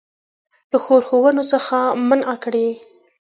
له ښورښونو څخه منع کړي.